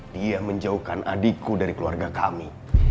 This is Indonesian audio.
dia menjauhkan adikku dari keluarga kami